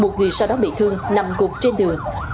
một người sau đó bị thương nằm gục trên đường